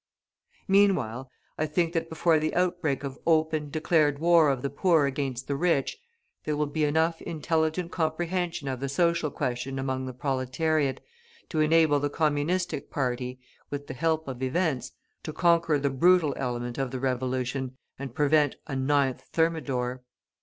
Meanwhile, I think that before the outbreak of open, declared war of the poor against the rich, there will be enough intelligent comprehension of the social question among the proletariat, to enable the communistic party, with the help of events, to conquer the brutal element of the revolution and prevent a "Ninth Thermidor."